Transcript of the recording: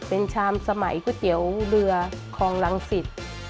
เป็นชามสมัยก๋วยเตี๋ยวเรือคลองรังสิต